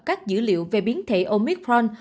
các dữ liệu về biến thể omicron